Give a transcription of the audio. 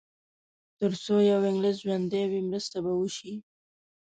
تر څو یو انګلیس ژوندی وي مرسته به وشي.